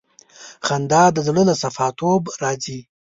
خندا د زړه له صفا توب راځي.